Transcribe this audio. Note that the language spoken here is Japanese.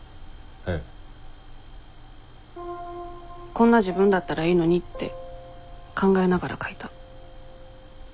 「こんな自分だったらいいのに」って考えながら書いた。